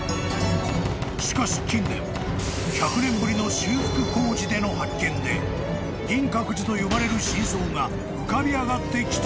［しかし近年１００年ぶりの修復工事での発見で銀閣寺と呼ばれる真相が浮かび上がってきたらしい］